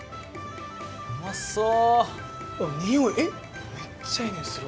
うまそう。